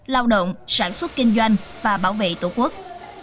lao động sản xuất kinh doanh và bảo vệ tổ quốc